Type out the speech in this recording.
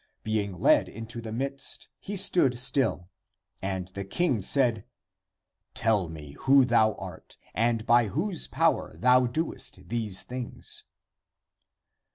Being led into the midst, he stood still. And the king said, " Tell me who thou art and by whose power thou doest these things?"